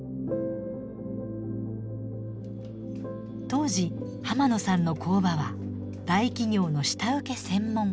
当時浜野さんの工場は大企業の下請け専門。